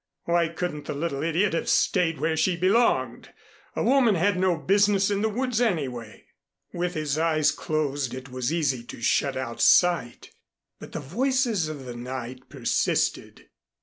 Why couldn't the little idiot have stayed where she belonged? A woman had no business in the woods, anyway. With his eyes closed it was easy to shut out sight, but the voices of the night persisted.